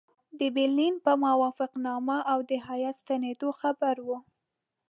د برلین په موافقتنامه او د هیات ستنېدلو خبر وو.